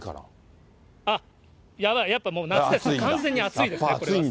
やばい、やっぱもう夏です、完全に暑いです、これは。